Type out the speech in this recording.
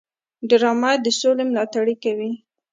ډرامه د سولې ملاتړ کوي